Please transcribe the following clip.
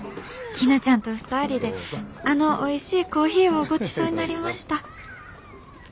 「きぬちゃんと２人であのおいしいコーヒーをごちそうになりました」。